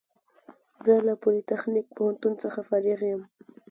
زه له پولیتخنیک پوهنتون څخه فارغ یم